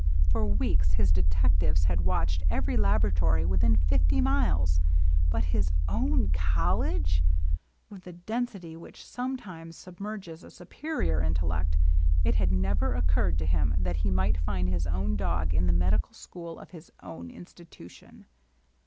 For weeks his detectives had watched every laboratory within fifty miles. But — his own col Uge I With a>e L% wMeh «««tb.es sub merges a superior intellect, it had never occurred to him that he might find his own dog in the medical school of his own institution.